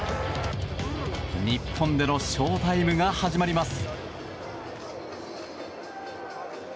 日本でのショウタイムが始まります。